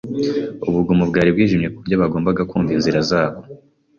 Ubuvumo bwari bwijimye kuburyo bagombaga kumva inzira zabo.